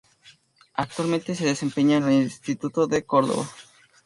Actualmente se desempeña en Instituto de Córdoba.